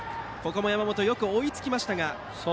山本がよく追いつきましたが。